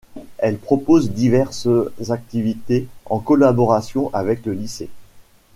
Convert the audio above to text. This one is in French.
Elle propose diverses activités en collaboration avec le lycée.